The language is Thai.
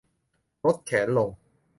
ลดแขนลง